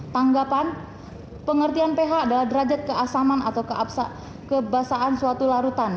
tanggapan pengertian ph adalah derajat keasaman atau kebasaan suatu larutan